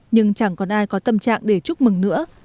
nhưng chẳng còn ai có tâm trạng để chúc mừng nữa